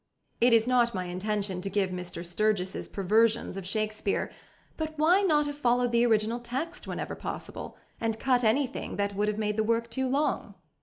It is not my intention to give Mr Sturgis's perversions of Shakespeare; but why not have followed the original text whenever possible, and cut anything that would have made the work too long?